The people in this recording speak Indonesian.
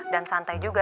dan santai juga